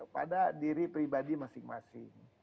pada diri pribadi masing masing